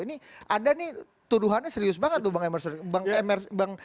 ini anda nih tuduhannya serius banget tuh bang emerson